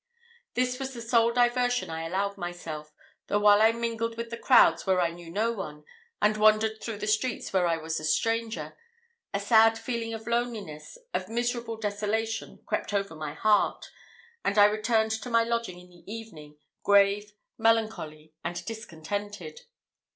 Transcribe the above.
This was the sole diversion I allowed myself, though while I mingled with the crowds where I knew no one, and wandered through the streets where I was a stranger, a sad feeling of loneliness of miserable desolation crept over my heart, and I returned to my lodging in the evening, grave, melancholy, and discontented.